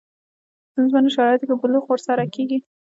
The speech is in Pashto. په ستونزمنو شرایطو کې بلوغ وروسته کېږي.